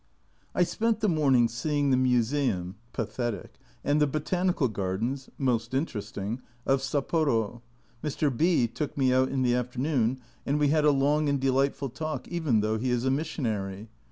I spent the morning seeing the Museum (pathetic) and the Botanical Gardens (most interesting) of Sapporo. Mr. B took me out in the afternoon, and we had a long and delightful talk even though he is a missionary